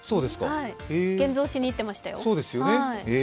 現像しに行ってましたよ。